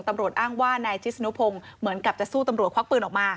ตำรวจอ้างว่านายชิสนุพงศ์เหมือนกับจะสู้ตำรวจควักปืนออกมา